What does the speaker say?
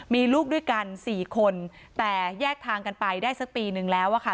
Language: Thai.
มีลูกด้วยกัน๔คนแต่แยกทางกันไปได้สักปีนึงแล้วอะค่ะ